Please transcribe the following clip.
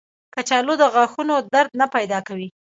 کچالو د غاښونو درد نه پیدا کوي